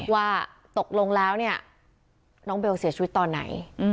ว่าตกลงแล้วเนี่ยน้องเบลเสียชีวิตตอนไหน